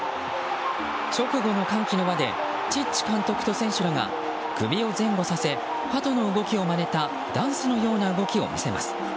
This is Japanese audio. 直後の歓喜の輪でチッチ監督と選手らが首を前後させハトの動きをまねたダンスのような動きを見せます。